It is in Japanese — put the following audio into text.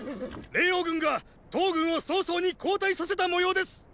霊凰軍が騰軍を早々に後退させたもようです！